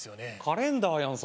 カレンダーやん